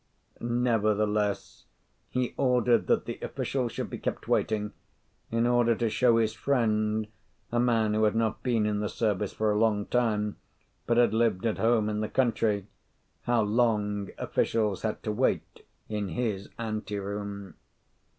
Nevertheless, he ordered that the official should be kept waiting, in order to show his friend, a man who had not been in the service for a long time, but had lived at home in the country, how long officials had to wait in his ante room.